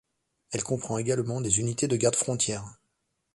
Elle comprend également des unités de gardes-frontière.